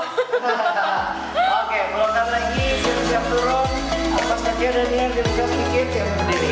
oke belum terlalu lagi